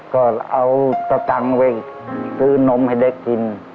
ก็เอาสตังค์ไปซื้อนมให้เด็กกิน